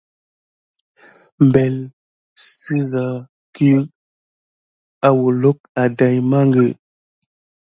Mbeli sika ɗe daku adef simi iki liok siɗef macra mi.